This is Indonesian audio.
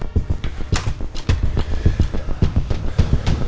saya mau ke rumah